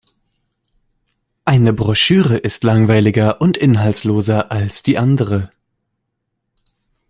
Eine Broschüre ist langweiliger und inhaltsloser als die andere.